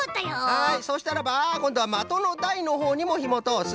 はいそしたらばこんどはまとのだいのほうにもひもとおす。